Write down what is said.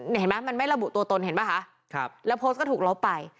เห็นไหมมันไม่ระบุตัวตนเห็นป่ะคะแล้วโพสต์ก็ถูกลบไป